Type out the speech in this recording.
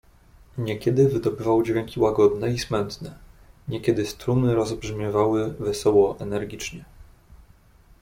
"Niekiedy wydobywał dźwięki łagodne i smętne, niekiedy struny rozbrzmiewały wesoło, energicznie."